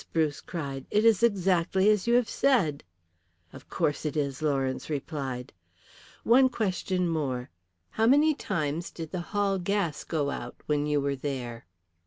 Bruce cried. "It is exactly as you have said." "Of course it is," Lawrence replied. "One question more. How many times did the hall gas go out when you were there?"